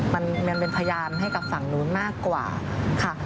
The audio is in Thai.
มันเป็นพยานให้กับฝั่งนู้นมากกว่าค่ะ